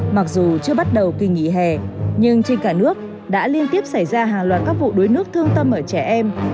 mặc dù chưa bắt đầu kỳ nghỉ hè nhưng trên cả nước đã liên tiếp xảy ra hàng loạt các vụ đuối nước thương tâm ở trẻ em